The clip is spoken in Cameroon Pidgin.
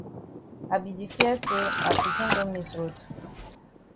I be di fear say ma pikin don miss road.